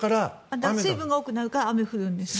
水分が多くなるから雨が降るんですね？